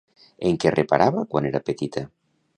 En què reparava quan era petita?